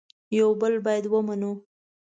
یو بل باید ومنو